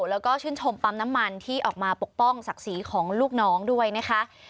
แล้วก็ชื่นชมปั๊มน้ำมันที่ออกมาปกป้องศักดิ์ศรีของลูกน้องด้วยนะคะ